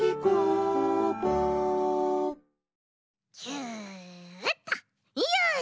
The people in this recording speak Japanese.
キュッとよし！